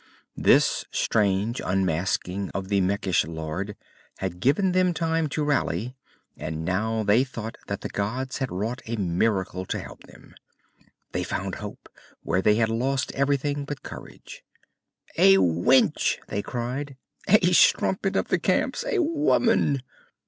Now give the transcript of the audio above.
This strange unmasking of the Mekhish lord had given them time to rally, and now they thought that the Gods had wrought a miracle to help them. They found hope, where they had lost everything but courage. "A wench!" they cried. "A strumpet of the camps. _A woman!